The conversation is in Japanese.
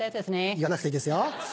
言わなくていいですよ。